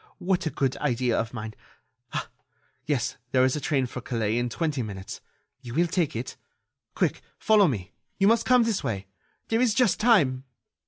What a good idea of mine!... Ah! yes, there is a train for Calais in twenty minutes. You will take it.... Quick, follow me ... you must come this way ... there is just time."